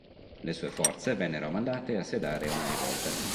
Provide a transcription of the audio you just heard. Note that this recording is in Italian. Le sue forze vennero mandate a sedare una rivolta.